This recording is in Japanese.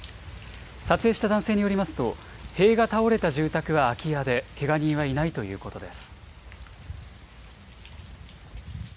撮影した男性によりますと、塀が倒れた住宅は空き家で、けが人はいないということです。